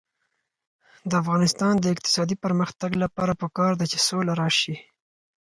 د افغانستان د اقتصادي پرمختګ لپاره پکار ده چې سوله راشي.